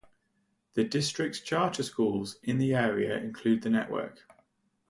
The district's Charter schools in the area include the network.